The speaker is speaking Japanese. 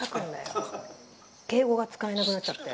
敬語が使えなくなっちゃって。